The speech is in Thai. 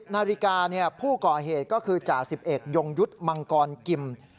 ๑๐นาฬิกาเนี่ยผู้ก่อเหตุก็คือจ่า๑๑ยงยุทธ์มังกรกิม